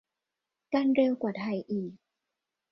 กันเร็วกว่าไทยอีก